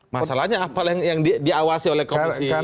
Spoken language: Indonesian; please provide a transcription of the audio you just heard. masalahnya apa yang diawasi oleh komisi